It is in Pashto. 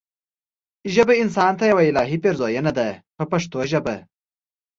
ژبه انسان ته یوه الهي پیرزوینه ده په پښتو ژبه.